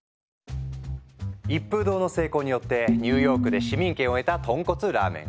一風堂の成功によってニューヨークで市民権を得た豚骨ラーメン。